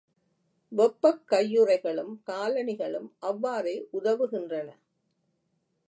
வெப்பக் கையுறைகளும், காலணிகளும் அவ்வாறே உதவுகின்றன.